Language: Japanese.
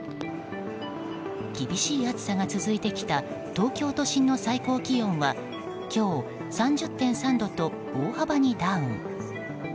厳しい暑さが続いてきた東京都心の最高気温は今日、３０．３度と大幅にダウン。